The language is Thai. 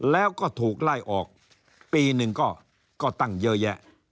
แล้วก็ถูกไล่ออกปีหนึ่งก็ตั้งเยอะแยะ